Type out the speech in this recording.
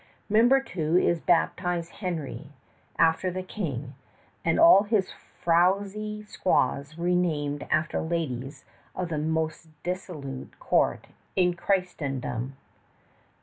Membertou is baptized Henry, after the King, and all his frowsy squaws renamed after ladies of the most dissolute court in Christendom.